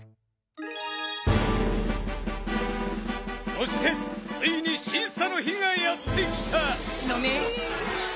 そしてついにしんさの日がやってきたのねん！